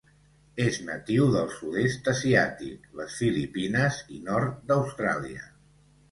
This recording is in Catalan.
És natiu del sud-est asiàtic, les Filipines i nord d'Austràlia.